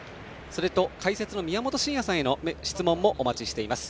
それと解説の宮本慎也さんへの質問もお待ちしています。